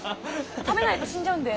食べないと死んじゃうんで。